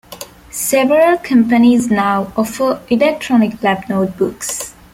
Several companies now offer electronic lab notebooks.